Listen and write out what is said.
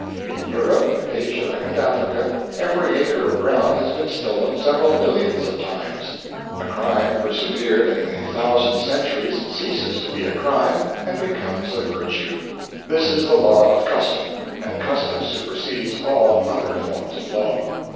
In Europe and Asia and Africa every acre of ground has been stolen several millions of times. A crime persevered in a thousand centuries ceases to be a crime, and becomes a virtue. This is the law of custom, and custom supersedes all other forms of law.